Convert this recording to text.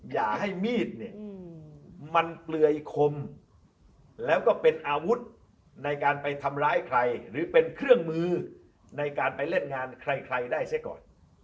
อย่าให้มีดเนี่ยมันเปลือยคมแล้วก็เป็นอาวุธในการไปทำร้ายใครหรือเป็นเครื่องมือในการไปเล่นงานใครได้เสียก่อน